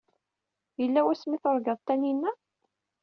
Yella wasmi ay turgaḍ Taninna?